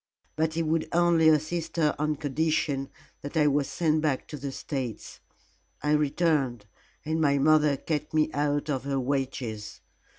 But he would only assist her on condition that I was sent back to the States. I returned, and my mother kept me out of her wages.